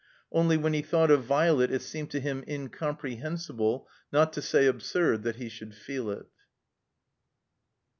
Only, when he thought of Violet it seemed to him incomprehensible, not to say absurd, that he diould feel it.